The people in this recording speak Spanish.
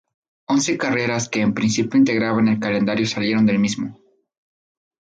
Once carreras que en principio integraban el calendario salieron del mismo.